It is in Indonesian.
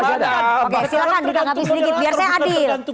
oke silahkan ditanggapi sedikit biar saya adil